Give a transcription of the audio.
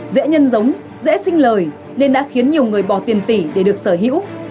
dễ nhân giống dễ sinh lời nên đã khiến nhiều người bỏ tiền tỷ để được sở hữu